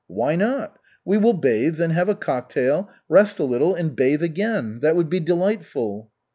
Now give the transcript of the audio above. "Why not? We will bathe, then have a cocktail, rest a little, and bathe again. That would be delightful."